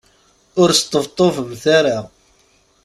Ur sṭebṭubemt ara.